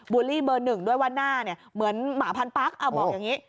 บูลลี่เบอร์๑ด้วยวันหน้าเนี่ยเหมือนหมาพันธุ์ปั๊กเอาบอกอย่างนี้